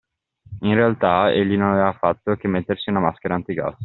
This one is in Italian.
In realtà, egli non aveva fatto che mettersi una maschera antigas.